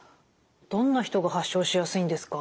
どんな人が発症しやすいんですか？